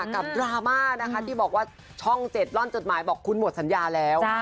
ดราม่านะคะที่บอกว่าช่อง๗ร่อนจดหมายบอกคุณหมดสัญญาแล้ว